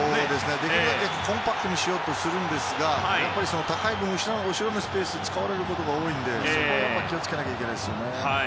なるべくコンパクトにしようと思うんですが高いボールは後ろのスペースを使われることが多いのでそこは気をつけなきゃいけないですね。